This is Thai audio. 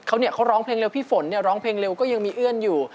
เขาเนี่ยเขาร้องเพลงเร็วพี่ฝนเนี่ยร้องเพลงเร็วก็ยังมีเอื้อนอยู่